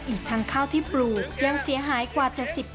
อีกทั้งข้าวที่ปลูกยังเสียหายกว่า๗๐